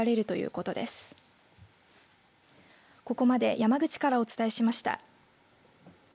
ここまで山口からお伝えしました。